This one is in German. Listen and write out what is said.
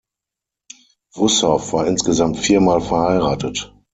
Wussow war insgesamt viermal verheiratet.